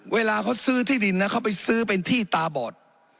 เวลาเขาซื้อที่ดินนะเขาไปซื้อเป็นที่ตาบอด